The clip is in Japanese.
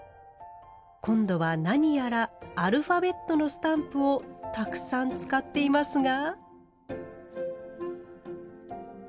今度は何やらアルファベットのスタンプをたくさん使っていますが？